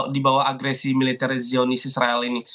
di bawah agresi militer zionis israel ini